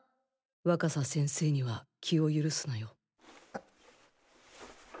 若狭先生には気を許すなよ。